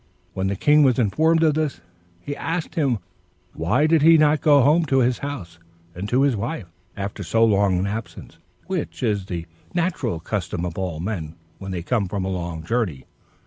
When the king was informed of this, he asked him why he did not go home to his house, and to his wife, after so long an absence; which is the natural custom of all men, when they come from a long journey.